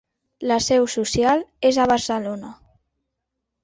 La seu social és a Barcelona.